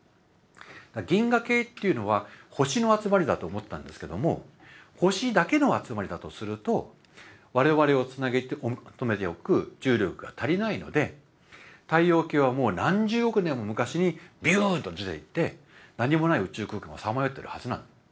銀河系っていうのは星の集まりだと思ったんですけども星だけの集まりだとすると我々をつなぎ止めておく重力が足りないので太陽系はもう何十億年も昔にビューンと出ていって何もない宇宙空間をさまよってるはずなの。